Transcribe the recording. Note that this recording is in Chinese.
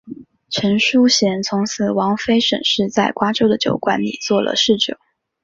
陈叔贤从此王妃沈氏在瓜州的酒馆里做了侍者。